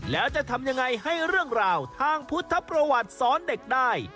แล้วจะทำยังไงให้เรื่องราวทางพุทธประวัติสอนเด็กได้